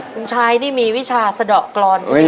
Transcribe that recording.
ลุงชายนี่มีวิชาเสดอกกรอนที่นี่